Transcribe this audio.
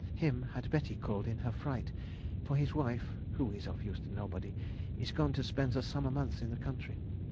Him had Betty called in her fright, for his wife (who is of use to nobody) is gone to spend the summer months in the country.